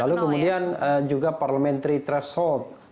lalu kemudian juga parliamentary threshold